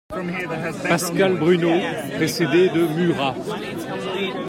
=Pascal Bruno= (précédé de =Murat=).